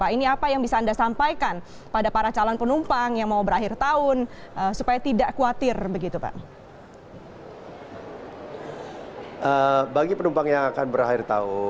ini apa yang bisa anda sampaikan pada para calon penumpang yang mau berakhir tahun supaya tidak khawatir